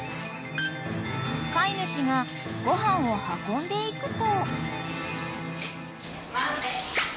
［飼い主がご飯を運んでいくと］